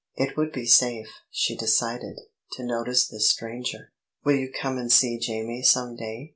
It would be safe, she decided, to notice this stranger. "Will you come and see Jamie some day?"